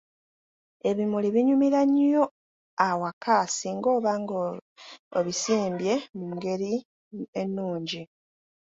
Ebimuli binyumira nnyo awaka singa oba nga obisimbye mu ngeri ennungi.